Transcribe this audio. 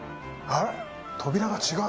扉が違う。